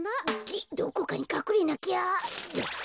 げっどこかにかくれなきゃ。